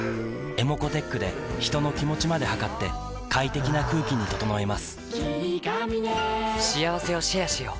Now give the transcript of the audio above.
ｅｍｏｃｏーｔｅｃｈで人の気持ちまで測って快適な空気に整えます